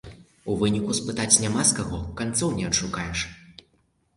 У выніку спытаць няма з каго, канцоў не адшукаеш.